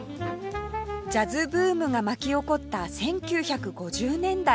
ジャズブームが巻き起こった１９５０年代